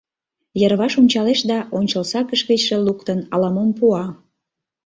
Йырваш ончалеш да, ончылсакыш гычше луктын, ала-мом пуа: